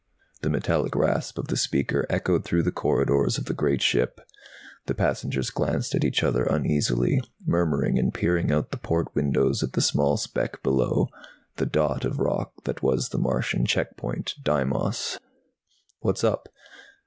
The metallic rasp of the speaker echoed through the corridors of the great ship. The passengers glanced at each other uneasily, murmuring and peering out the port windows at the small speck below, the dot of rock that was the Martian checkpoint, Deimos. "What's up?"